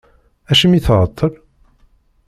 Acimi tεeṭṭel?